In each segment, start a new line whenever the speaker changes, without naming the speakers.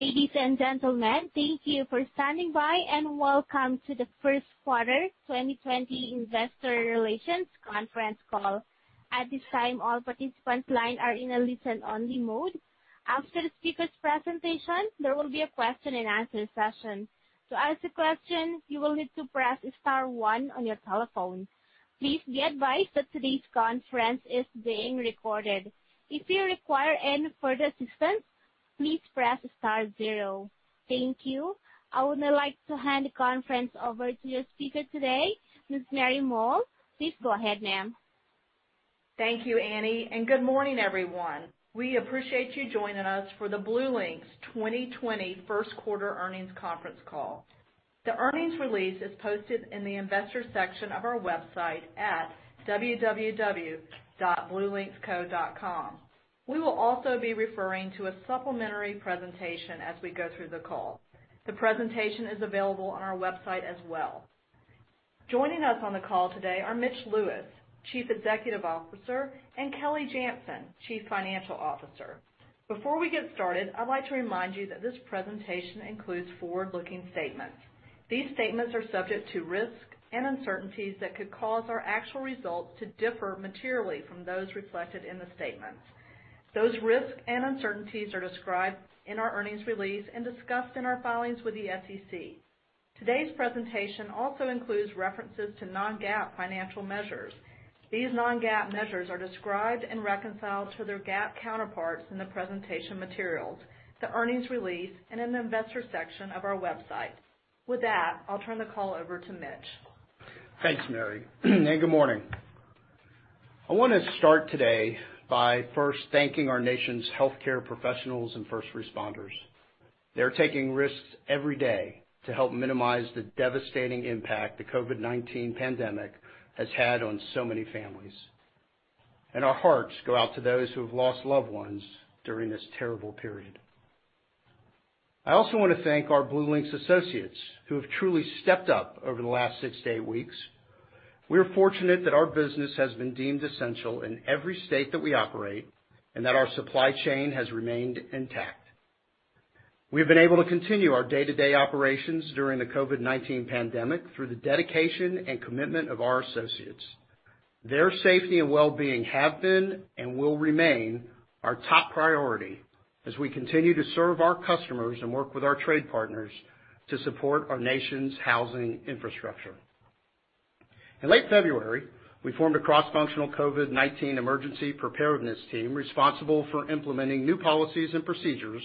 Ladies and gentlemen, thank you for standing by, and welcome to the first quarter 2020 investor relations conference call. At this time, all participant lines are in a listen-only mode. After the speakers presentation, there will be a question and answer session. To ask a question, you will need to press star one on your telephone. Please be advised that today's conference is being recorded. If you require any further assistance, please press star zero. Thank you. I would now like to hand the conference over to your speaker today, Ms. Mary Moll. Please go ahead, ma'am.
Thank you, Annie. Good morning, everyone. We appreciate you joining us for the BlueLinx 2020 first quarter earnings conference call. The earnings release is posted in the investor section of our website at www.bluelinxco.com. We will also be referring to a supplementary presentation as we go through the call. The presentation is available on our website as well. Joining us on the call today are Mitch Lewis, Chief Executive Officer, and Kelly Janzen, Chief Financial Officer. Before we get started, I'd like to remind you that this presentation includes forward-looking statements. These statements are subject to risks and uncertainties that could cause our actual results to differ materially from those reflected in the statements. Those risks and uncertainties are described in our earnings release and discussed in our filings with the SEC. Today's presentation also includes references to non-GAAP financial measures. These non-GAAP measures are described and reconciled to their GAAP counterparts in the presentation materials, the earnings release, and in the investor section of our website. With that, I'll turn the call over to Mitch.
Thanks, Mary. Good morning. I want to start today by first thanking our nation's healthcare professionals and first responders. They're taking risks every day to help minimize the devastating impact the COVID-19 pandemic has had on so many families. Our hearts go out to those who have lost loved ones during this terrible period. I also want to thank our BlueLinx associates, who have truly stepped up over the last six to eight weeks. We are fortunate that our business has been deemed essential in every state that we operate and that our supply chain has remained intact. We've been able to continue our day-to-day operations during the COVID-19 pandemic through the dedication and commitment of our associates. Their safety and wellbeing have been and will remain our top priority as we continue to serve our customers and work with our trade partners to support our nation's housing infrastructure. In late February, we formed a cross-functional COVID-19 emergency preparedness team responsible for implementing new policies and procedures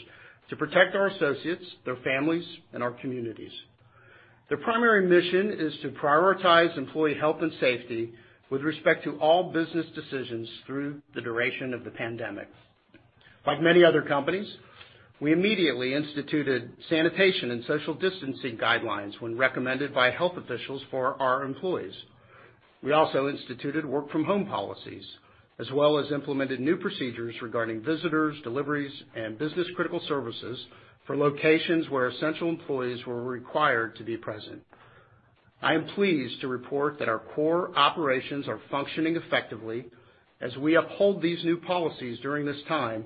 to protect our associates, their families, and our communities. Their primary mission is to prioritize employee health and safety with respect to all business decisions through the duration of the pandemic. Like many other companies, we immediately instituted sanitation and social distancing guidelines when recommended by health officials for our employees. We also instituted work from home policies, as well as implemented new procedures regarding visitors, deliveries, and business-critical services for locations where essential employees were required to be present. I am pleased to report that our core operations are functioning effectively as we uphold these new policies during this time,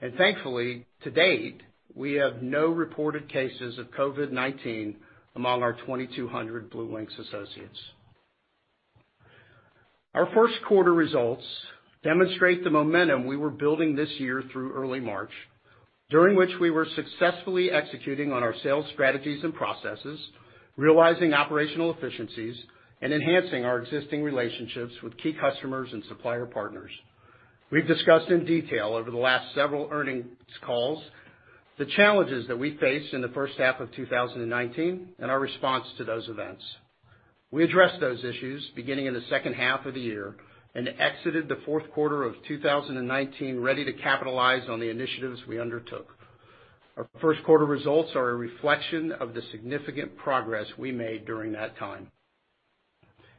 and thankfully, to date, we have no reported cases of COVID-19 among our 2,200 BlueLinx associates. Our first quarter results demonstrate the momentum we were building this year through early March, during which we were successfully executing on our sales strategies and processes, realizing operational efficiencies, and enhancing our existing relationships with key customers and supplier partners. We've discussed in detail over the last several earnings calls the challenges that we faced in the first half of 2019 and our response to those events. We addressed those issues beginning in the second half of the year and exited the fourth quarter of 2019 ready to capitalize on the initiatives we undertook. Our first quarter results are a reflection of the significant progress we made during that time.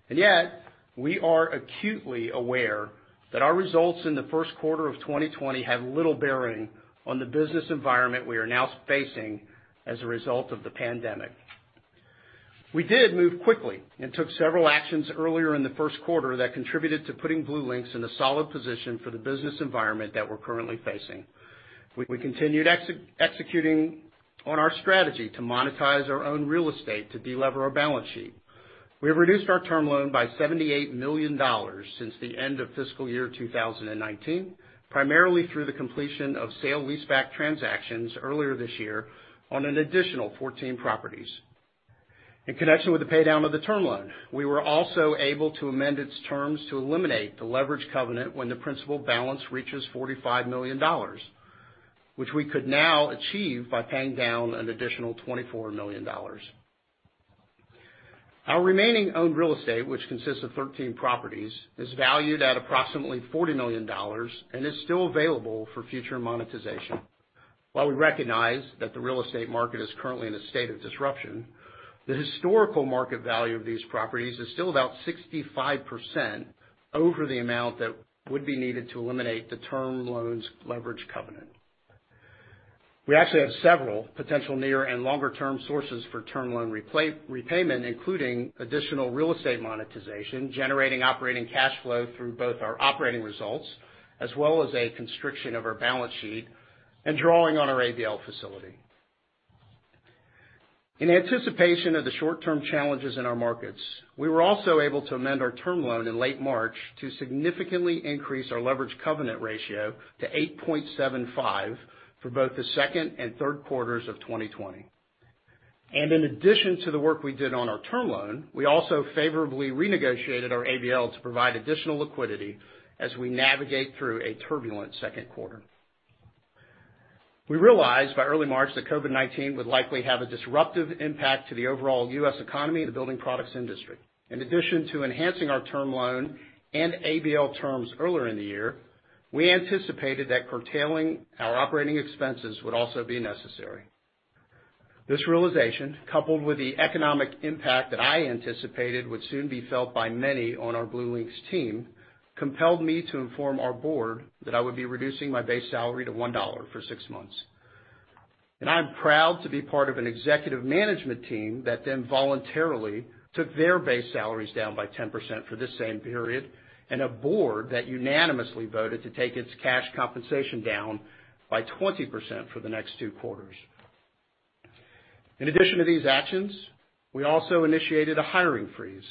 Yet, we are acutely aware that our results in the first quarter of 2020 have little bearing on the business environment we are now facing as a result of the pandemic. We did move quickly and took several actions earlier in the first quarter that contributed to putting BlueLinx in a solid position for the business environment that we're currently facing. We continued executing on our strategy to monetize our own real estate to delever our balance sheet. We have reduced our term loan by $78 million since the end of fiscal year 2019, primarily through the completion of sale leaseback transactions earlier this year on an additional 14 properties. In connection with the paydown of the term loan, we were also able to amend its terms to eliminate the leverage covenant when the principal balance reaches $45 million, which we could now achieve by paying down an additional $24 million. Our remaining owned real estate, which consists of 13 properties, is valued at approximately $40 million and is still available for future monetization. While we recognize that the real estate market is currently in a state of disruption, the historical market value of these properties is still about 65% over the amount that would be needed to eliminate the term loan's leverage covenant. We actually have several potential near and longer term sources for term loan repayment, including additional real estate monetization, generating operating cash flow through both our operating results, as well as a constriction of our balance sheet, and drawing on our ABL facility. In anticipation of the short-term challenges in our markets, we were also able to amend our term loan in late March to significantly increase our leverage covenant ratio to 8.75 for both the second and third quarters of 2020. In addition to the work we did on our term loan, we also favorably renegotiated our ABL to provide additional liquidity as we navigate through a turbulent second quarter. We realized by early March that COVID-19 would likely have a disruptive impact to the overall U.S. economy and the building products industry. In addition to enhancing our term loan and ABL terms earlier in the year, we anticipated that curtailing our operating expenses would also be necessary. This realization, coupled with the economic impact that I anticipated would soon be felt by many on our BlueLinx team, compelled me to inform our board that I would be reducing my base salary to $1 for six months. I'm proud to be part of an executive management team that then voluntarily took their base salaries down by 10% for the same period, and a board that unanimously voted to take its cash compensation down by 20% for the next two quarters. In addition to these actions, we also initiated a hiring freeze,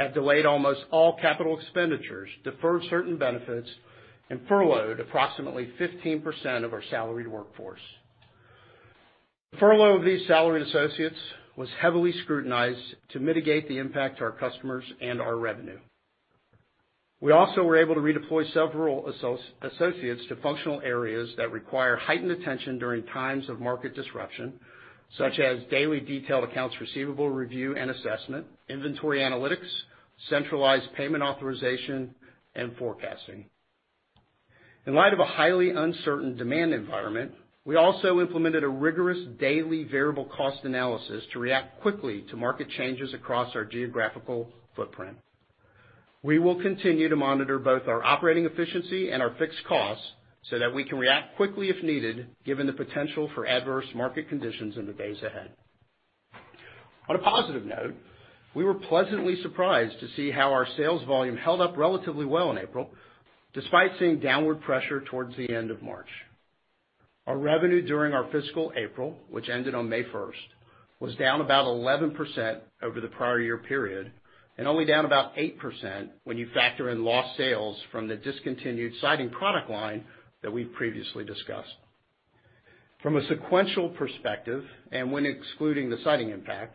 have delayed almost all capital expenditures, deferred certain benefits, and furloughed approximately 15% of our salaried workforce. The furlough of these salaried associates was heavily scrutinized to mitigate the impact to our customers and our revenue. We also were able to redeploy several associates to functional areas that require heightened attention during times of market disruption, such as daily detailed accounts receivable review and assessment, inventory analytics, centralized payment authorization, and forecasting. In light of a highly uncertain demand environment, we also implemented a rigorous daily variable cost analysis to react quickly to market changes across our geographical footprint. We will continue to monitor both our operating efficiency and our fixed costs so that we can react quickly if needed, given the potential for adverse market conditions in the days ahead. On a positive note, we were pleasantly surprised to see how our sales volume held up relatively well in April, despite seeing downward pressure towards the end of March. Our revenue during our fiscal April, which ended on May 1st, was down about 11% over the prior year period, and only down about 8% when you factor in lost sales from the discontinued siding product line that we've previously discussed. From a sequential perspective, and when excluding the siding impact,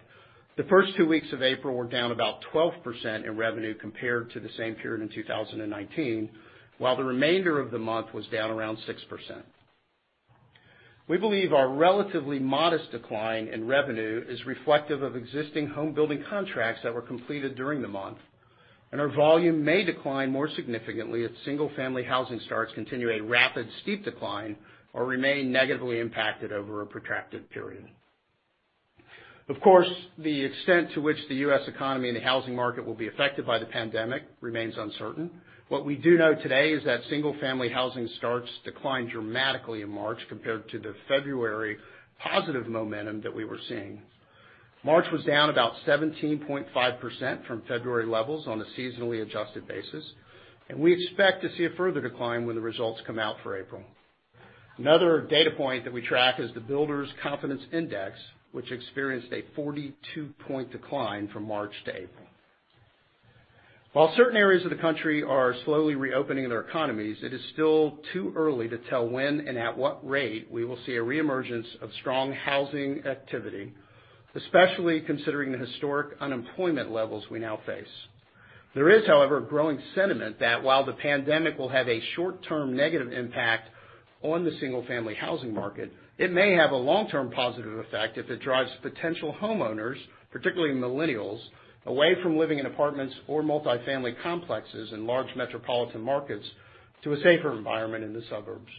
the first two weeks of April were down about 12% in revenue compared to the same period in 2019, while the remainder of the month was down around 6%. We believe our relatively modest decline in revenue is reflective of existing home building contracts that were completed during the month, and our volume may decline more significantly if single-family housing starts continue a rapid, steep decline or remain negatively impacted over a protracted period. Of course, the extent to which the U.S. economy and the housing market will be affected by the pandemic remains uncertain. What we do know today is that single-family housing starts declined dramatically in March compared to the February positive momentum that we were seeing. March was down about 17.5% from February levels on a seasonally adjusted basis, and we expect to see a further decline when the results come out for April. Another data point that we track is the Builders' Confidence Index, which experienced a 42-point decline from March to April. While certain areas of the country are slowly reopening their economies, it is still too early to tell when and at what rate we will see a reemergence of strong housing activity, especially considering the historic unemployment levels we now face. There is, however, a growing sentiment that while the pandemic will have a short-term negative impact on the single-family housing market, it may have a long-term positive effect if it drives potential homeowners, particularly millennials, away from living in apartments or multi-family complexes in large metropolitan markets to a safer environment in the suburbs.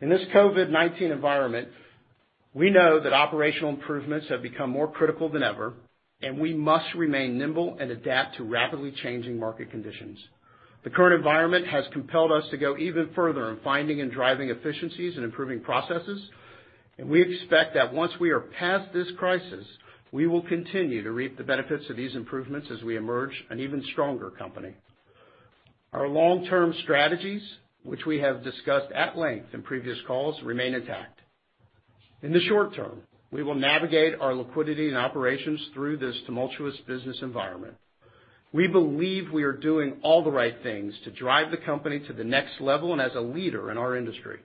In this COVID-19 environment, we know that operational improvements have become more critical than ever, and we must remain nimble and adapt to rapidly changing market conditions. The current environment has compelled us to go even further in finding and driving efficiencies and improving processes, and we expect that once we are past this crisis, we will continue to reap the benefits of these improvements as we emerge an even stronger company. Our long-term strategies, which we have discussed at length in previous calls, remain intact. In the short term, we will navigate our liquidity and operations through this tumultuous business environment. We believe we are doing all the right things to drive the company to the next level and as a leader in our industry.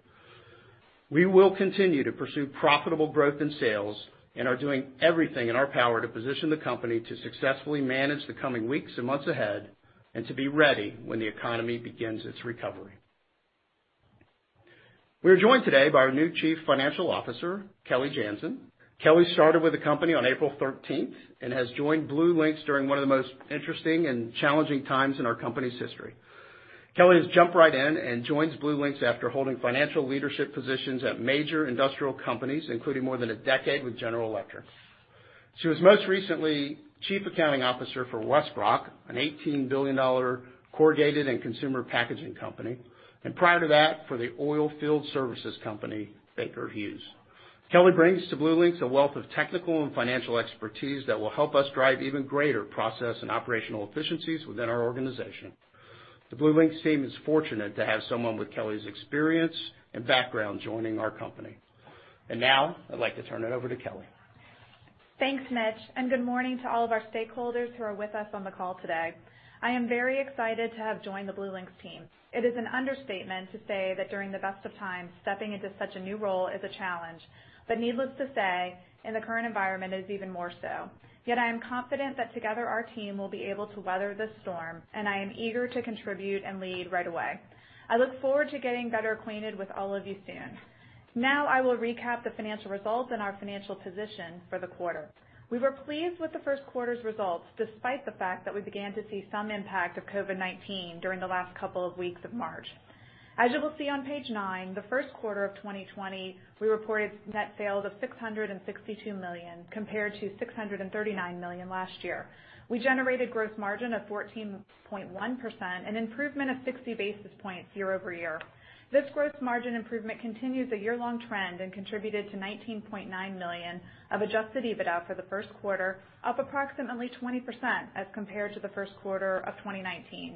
We will continue to pursue profitable growth in sales and are doing everything in our power to position the company to successfully manage the coming weeks and months ahead and to be ready when the economy begins its recovery. We are joined today by our new Chief Financial Officer, Kelly Janzen. Kelly started with the company on April 13th and has joined BlueLinx during one of the most interesting and challenging times in our company's history. Kelly has jumped right in and joins BlueLinx after holding financial leadership positions at major industrial companies, including more than a decade with General Electric. She was most recently Chief Accounting Officer for WestRock, an $18 billion corrugated and consumer packaging company, and prior to that, for the oil field services company, Baker Hughes. Kelly brings to BlueLinx a wealth of technical and financial expertise that will help us drive even greater process and operational efficiencies within our organization. The BlueLinx team is fortunate to have someone with Kelly's experience and background joining our company. Now, I'd like to turn it over to Kelly.
Thanks, Mitch. Good morning to all of our stakeholders who are with us on the call today. I am very excited to have joined the BlueLinx team. It is an understatement to say that during the best of times, stepping into such a new role is a challenge, but needless to say, in the current environment, it is even more so. I am confident that together our team will be able to weather this storm, and I am eager to contribute and lead right away. I look forward to getting better acquainted with all of you soon. I will recap the financial results and our financial position for the quarter. We were pleased with the first quarter's results, despite the fact that we began to see some impact of COVID-19 during the last couple of weeks of March. As you will see on Page nine, the first quarter of 2020, we reported net sales of $662 million, compared to $639 million last year. We generated gross margin of 14.1%, an improvement of 60 basis points YoY. This gross margin improvement continues a year-long trend and contributed to $19.9 million of Adjusted EBITDA for the first quarter, up approximately 20% as compared to the first quarter of 2019.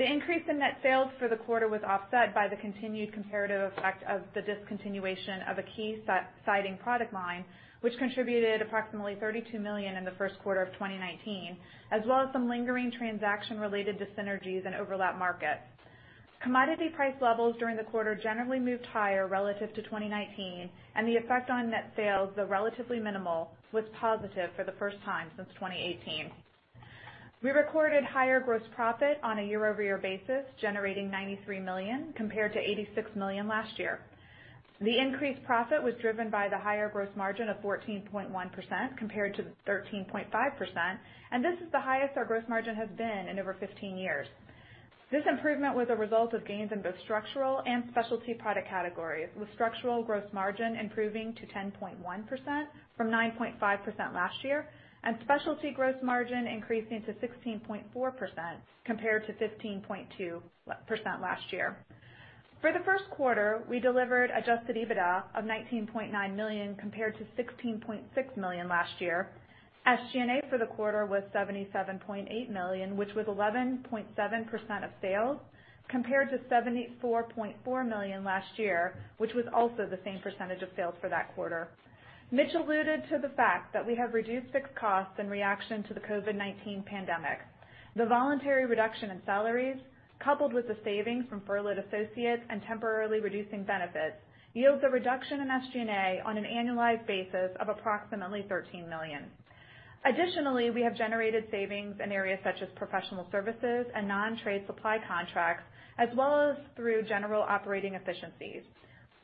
The increase in net sales for the quarter was offset by the continued comparative effect of the discontinuation of a key siding product line, which contributed approximately $32 million in the first quarter of 2019, as well as some lingering transaction related to synergies in overlap markets. Commodity price levels during the quarter generally moved higher relative to 2019, and the effect on net sales, though relatively minimal, was positive for the first time since 2018. We recorded higher gross profit on a YoY basis, generating $93 million compared to $86 million last year. The increased profit was driven by the higher gross margin of 14.1% compared to 13.5%. This is the highest our gross margin has been in over 15 years. This improvement was a result of gains in both structural and specialty product categories, with structural gross margin improving to 10.1% from 9.5% last year. Specialty gross margin increasing to 16.4% compared to 15.2% last year. For the first quarter, we delivered Adjusted EBITDA of $19.9 million compared to $16.6 million last year. SG&A for the quarter was $77.8 million, which was 11.7% of sales, compared to $74.4 million last year, which was also the same percentage of sales for that quarter. Mitch alluded to the fact that we have reduced fixed costs in reaction to the COVID-19 pandemic. The voluntary reduction in salaries, coupled with the savings from furloughed associates and temporarily reducing benefits, yields a reduction in SG&A on an annualized basis of approximately $13 million. Additionally, we have generated savings in areas such as professional services and non-trade supply contracts, as well as through general operating efficiencies.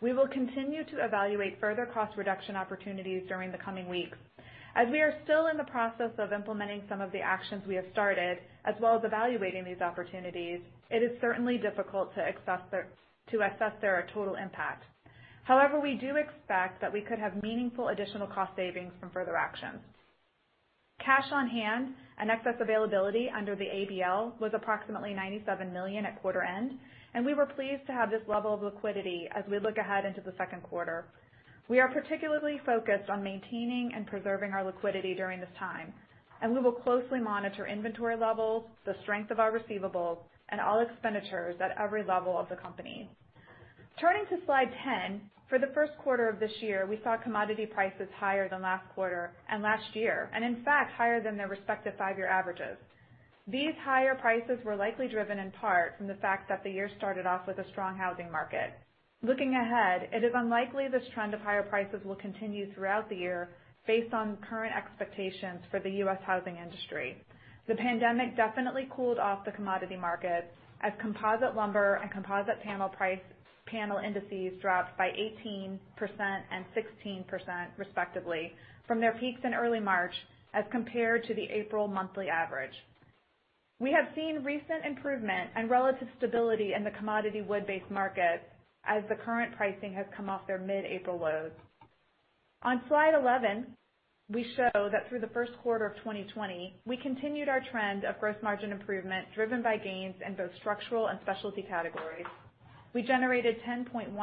We will continue to evaluate further cost reduction opportunities during the coming weeks. As we are still in the process of implementing some of the actions we have started, as well as evaluating these opportunities, it is certainly difficult to assess their total impact. However, we do expect that we could have meaningful additional cost savings from further actions. Cash on hand and excess availability under the ABL was approximately $97 million at quarter end, and we were pleased to have this level of liquidity as we look ahead into the second quarter. We are particularly focused on maintaining and preserving our liquidity during this time, and we will closely monitor inventory levels, the strength of our receivables, and all expenditures at every level of the company. Turning to slide 10, for the first quarter of this year, we saw commodity prices higher than last quarter and last year, in fact, higher than their respective five-year averages. These higher prices were likely driven in part from the fact that the year started off with a strong housing market. Looking ahead, it is unlikely this trend of higher prices will continue throughout the year based on current expectations for the U.S. housing industry. The pandemic definitely cooled off the commodity markets as composite lumber and composite panel indices dropped by 18% and 16% respectively from their peaks in early March as compared to the April monthly average. We have seen recent improvement and relative stability in the commodity wood-based market as the current pricing has come off their mid-April lows. On slide 11, we show that through the first quarter of 2020, we continued our trend of gross margin improvement driven by gains in both structural and specialty categories. We generated 10.1%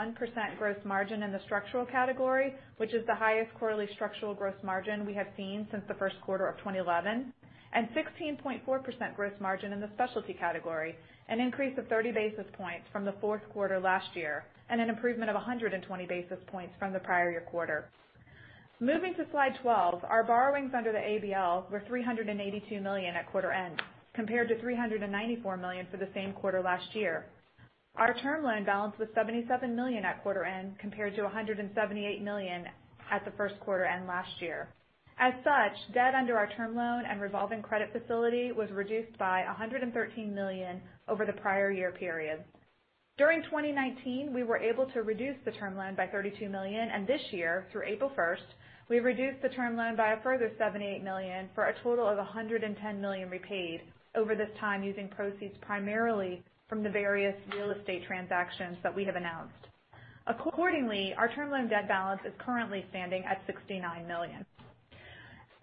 gross margin in the structural category, which is the highest quarterly structural gross margin we have seen since the first quarter of 2011, and 16.4% gross margin in the specialty category, an increase of 30 basis points from the fourth quarter last year, and an improvement of 120 basis points from the prior year quarter. Moving to slide 12, our borrowings under the ABL were $382 million at quarter end, compared to $394 million for the same quarter last year. Our term loan balance was $77 million at quarter end, compared to $178 million at the first quarter end last year. As such, debt under our term loan and revolving credit facility was reduced by $113 million over the prior year period. During 2019, we were able to reduce the term loan by $32 million, and this year, through April 1st, we reduced the term loan by a further $78 million for a total of $110 million repaid over this time using proceeds primarily from the various real estate transactions that we have announced. Accordingly, our term loan debt balance is currently standing at $69 million.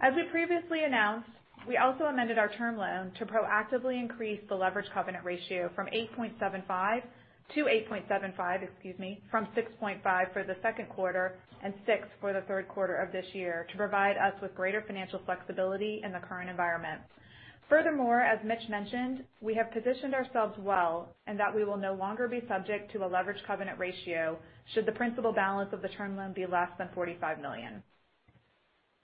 As we previously announced, we also amended our term loan to proactively increase the leverage covenant ratio to 8.75, excuse me, from 6.5 for the second quarter and six for the third quarter of this year to provide us with greater financial flexibility in the current environment. Furthermore, as Mitch mentioned, we have positioned ourselves well in that we will no longer be subject to a leverage covenant ratio should the principal balance of the term loan be less than $45 million.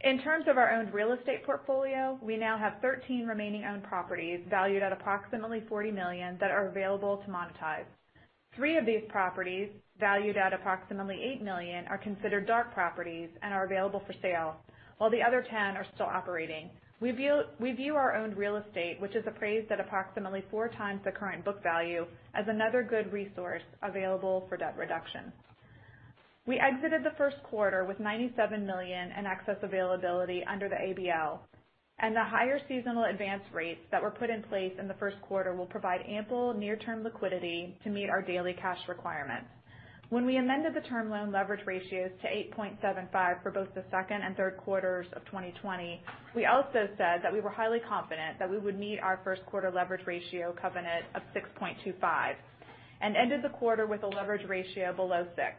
In terms of our owned real estate portfolio, we now have 13 remaining owned properties valued at approximately $40 million that are available to monetize. Three of these properties, valued at approximately $8 million, are considered dark properties and are available for sale, while the other 10 are still operating. We view our owned real estate, which is appraised at approximately four times the current book value, as another good resource available for debt reduction. We exited the first quarter with $97 million in excess availability under the ABL, and the higher seasonal advance rates that were put in place in the first quarter will provide ample near-term liquidity to meet our daily cash requirements. When we amended the term loan leverage ratios to 8.75 for both the second and third quarters of 2020, we also said that we were highly confident that we would meet our first quarter leverage ratio covenant of 6.25, and ended the quarter with a leverage ratio below six.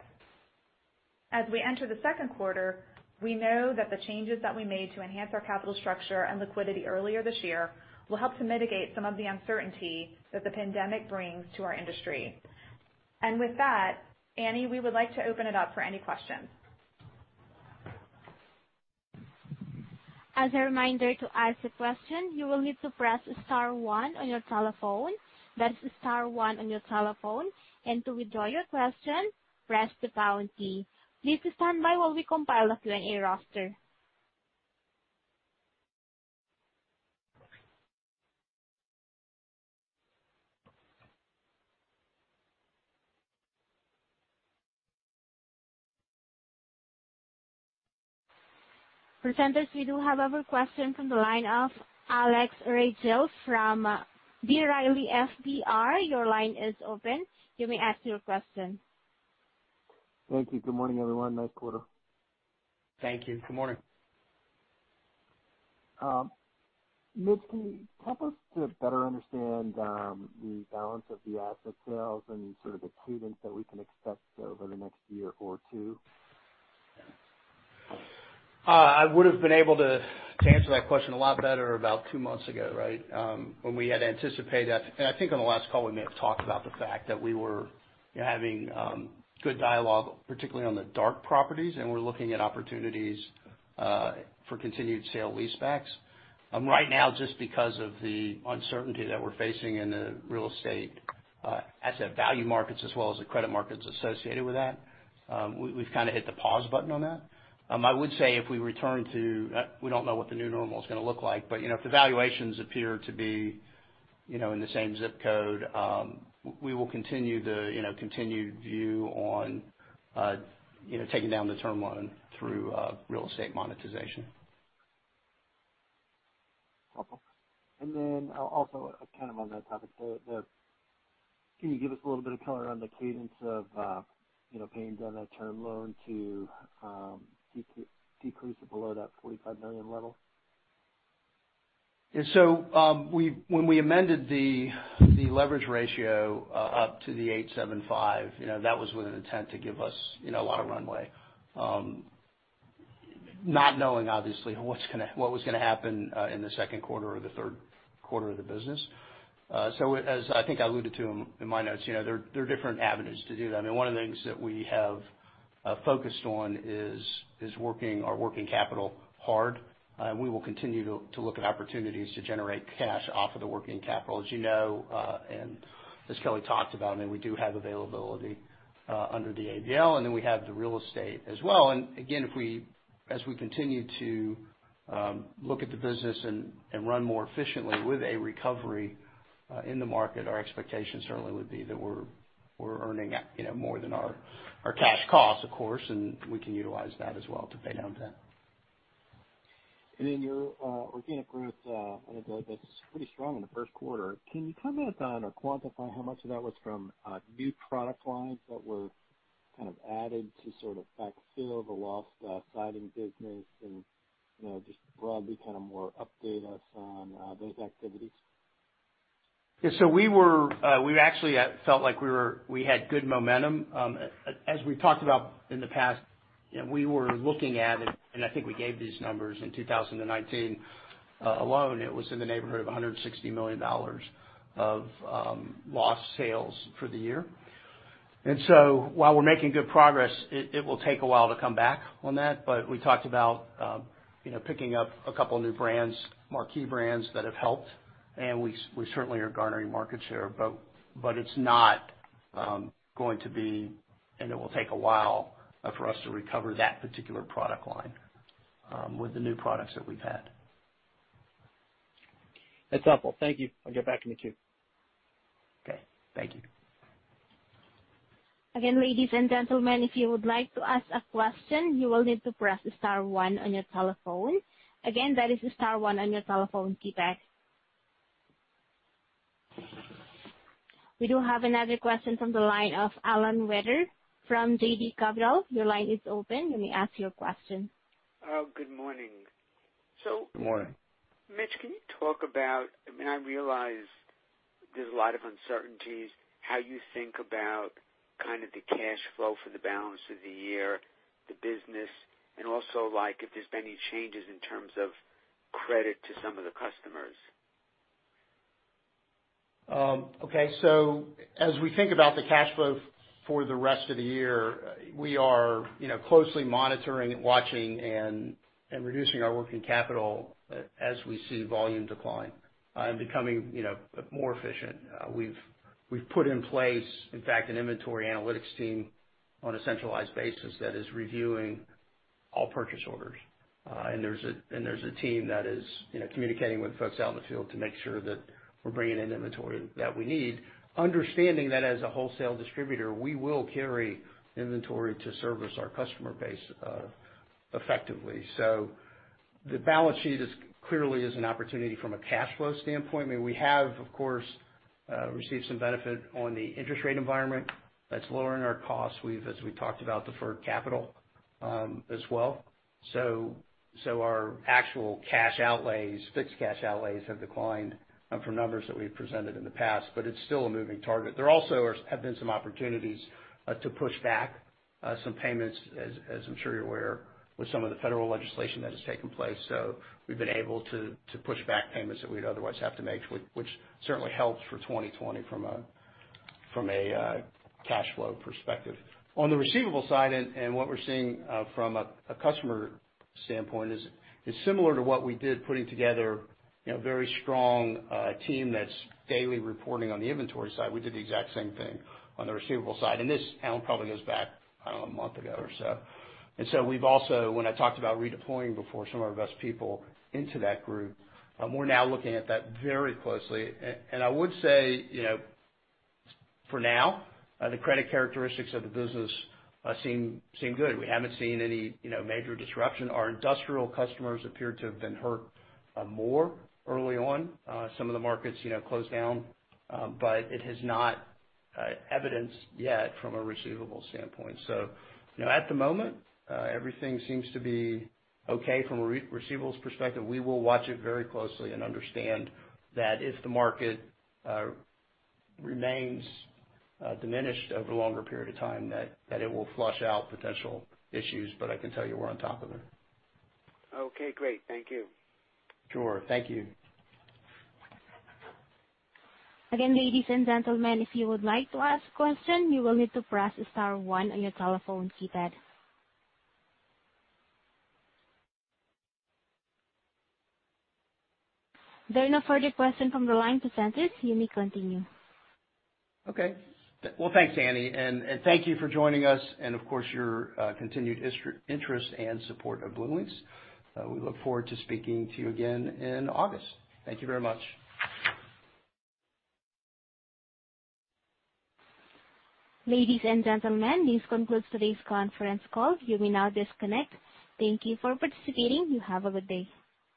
As we enter the second quarter, we know that the changes that we made to enhance our capital structure and liquidity earlier this year will help to mitigate some of the uncertainty that the pandemic brings to our industry. With that, Annie, we would like to open it up for any questions.
As a reminder, to ask a question, you will need to press star one on your telephone. That's star one on your telephone. To withdraw your question, press the pound key. Please stand by while we compile a Q&A roster. Presenters, we do have a question from the line of Alex Rygiel from B. Riley FBR. Your line is open. You may ask your question.
Thank you. Good morning, everyone. Nice quarter.
Thank you. Good morning.
Mitch, can you help us to better understand the balance of the asset sales and sort of the cadence that we can expect over the next year or two?
I would've been able to answer that question a lot better about two months ago, right? When we had anticipated that. I think on the last call, we may have talked about the fact that we were having good dialogue, particularly on the dark properties, and we're looking at opportunities for continued sale leasebacks. Right now just because of the uncertainty that we're facing in the real estate asset value markets as well as the credit markets associated with that, we've kind of hit the pause button on that. I would say we don't know what the new normal is going to look like, but if the valuations appear to be in the same zip code, we will continue the continued view on taking down the term loan through real estate monetization.
Okay. kind of on that topic, can you give us a little bit of color on the cadence of paying down that term loan to decrease it below that $45 million level?
When we amended the leverage ratio up to the 8.75, that was with an intent to give us a lot of runway. Not knowing, obviously, what was going to happen in the second quarter or the third quarter of the business. As I think I alluded to in my notes, there are different avenues to do that. I mean, one of the things that we have focused on is working our working capital hard. We will continue to look at opportunities to generate cash off of the working capital. As you know, and as Kelly talked about, I mean, we do have availability under the ABL, and then we have the real estate as well. Again, as we continue to look at the business and run more efficiently with a recovery in the market, our expectation certainly would be that we're earning more than our cash costs, of course, and we can utilize that as well to pay down debt.
Your organic growth on the debt that's pretty strong in the first quarter. Can you comment on or quantify how much of that was from new product lines that were kind of added to sort of backfill the lost siding business and just broadly kind of more update us on those activities?
Yeah. We actually felt like we had good momentum. As we've talked about in the past, we were looking at it, and I think we gave these numbers in 2019 alone, it was in the neighborhood of $160 million of lost sales for the year. While we're making good progress, it will take a while to come back on that. We talked about picking up a couple new brands, marquee brands that have helped, and we certainly are garnering market share. It's not going to be, and it will take a while for us to recover that particular product line with the new products that we've had.
That's helpful. Thank you. I'll get back in the queue.
Okay. Thank you.
Again, ladies and gentlemen, if you would like to ask a question, you will need to press star one on your telephone. Again, that is star one on your telephone keypad. We do have another question from the line of Alan Wetter from J.D. Cabral. Your line is open. You may ask your question.
Good morning.
Good morning.
Mitch, can you talk about, I mean, I realize there's a lot of uncertainties, how you think about kind of the cash flow for the balance of the year, the business, and also like if there's been any changes in terms of credit to some of the customers?
Okay. As we think about the cash flow for the rest of the year, we are closely monitoring and watching and reducing our working capital as we see volume decline and becoming more efficient. We've put in place, in fact, an inventory analytics team on a centralized basis that is reviewing all purchase orders. There's a team that is communicating with folks out in the field to make sure that we're bringing in inventory that we need, understanding that as a wholesale distributor, we will carry inventory to service our customer base effectively. The balance sheet clearly is an opportunity from a cash flow standpoint. I mean, we have, of course, received some benefit on the interest rate environment that's lowering our costs. As we talked about deferred capital as well. Our actual fixed cash outlays have declined from numbers that we've presented in the past, but it's still a moving target. There also have been some opportunities to push back some payments, as I'm sure you're aware, with some of the federal legislation that has taken place. We've been able to push back payments that we'd otherwise have to make, which certainly helps for 2020 from a cash flow perspective. On the receivable side, and what we're seeing from a customer standpoint is similar to what we did, putting together a very strong team that's daily reporting on the inventory side. We did the exact same thing on the receivable side, and this probably goes back a month ago or so. We've also, when I talked about redeploying before some of our best people into that group, we're now looking at that very closely. I would say, for now, the credit characteristics of the business seem good. We haven't seen any major disruption. Our industrial customers appear to have been hurt more early on. Some of the markets closed down. It has not evidenced yet from a receivable standpoint. At the moment, everything seems to be okay from a receivables perspective. We will watch it very closely and understand that if the market remains diminished over a longer period of time, that it will flush out potential issues. I can tell you we're on top of it.
Okay, great. Thank you.
Sure. Thank you.
Again, ladies and gentlemen, if you would like to ask question, you will need to press star one on your telephone keypad. There are no further question from the line presenters. You may continue.
Okay. Well, thanks, Annie, and thank you for joining us and, of course, your continued interest and support of BlueLinx. We look forward to speaking to you again in August. Thank you very much.
Ladies and gentlemen, this concludes today's conference call. You may now disconnect. Thank you for participating. You have a good day.